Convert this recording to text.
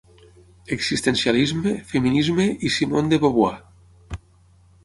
"Existencialisme, feminisme i Simone de Beauvoir".